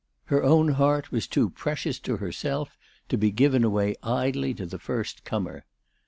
Her own heart was too precious to herself to be given away idly to the first comer.